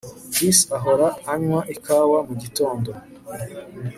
Chris ahora anywa ikawa mugitondo